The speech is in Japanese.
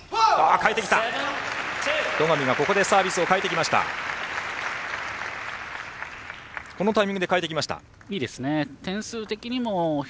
戸上がここでサービスを変えてきました。